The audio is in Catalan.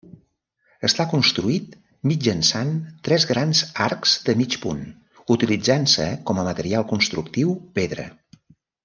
Està construït mitjançant tres grans arcs de mig punt, utilitzant-se com a material constructiu pedra.